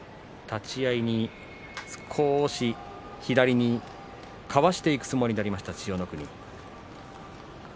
立ち合いに少し左にかわしていく相撲になりました、千代の国。